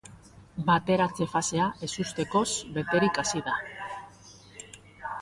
Bateratze fasea ezustekoz beterik hasi da.